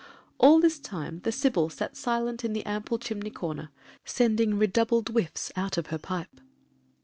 All this time the Sybil sat silent in the ample chimney corner, sending redoubled whiffs out of her pipe.